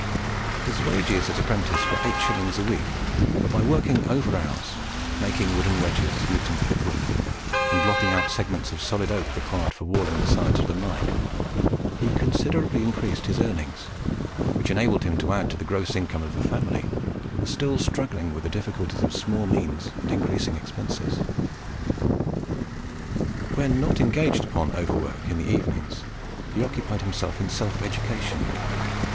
His wages as apprentice were 8s. a week; but by working over hours, making wooden wedges used in pit work, and blocking out segments of solid oak required for walling the sides of the mine, he considerably increased his earnings, which enabled him to add to the gross income of the family, who were still struggling with the difficulties of small means and increasing expenses. When not engaged upon over work in the evenings, he occupied himself in self education.